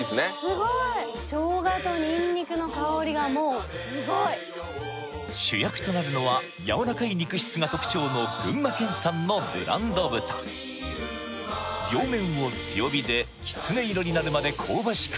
スゴイしょうがとニンニクの香りがもうスゴイ主役となるのはやわらかい肉質が特徴の群馬県産のブランド豚両面を強火できつね色になるまで香ばしく